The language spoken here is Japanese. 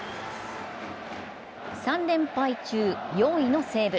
３連敗中、４位の西武。